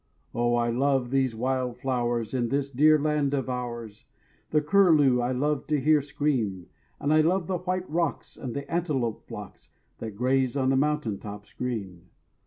Oh, I love these wild flowers in this dear land of ours, The curlew I love to hear scream, And I love the white rocks and the antelope flocks That graze on the mountain tops green.